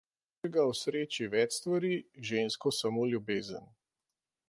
Moškega osreči več stvari, žensko samo ljubezen.